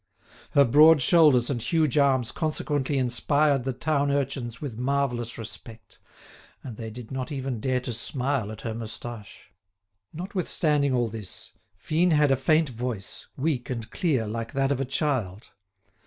Her broad shoulders and huge arms consequently inspired the town urchins with marvellous respect; and they did not even dare to smile at her moustache. Notwithstanding all this, Fine had a faint voice, weak and clear like that of a child.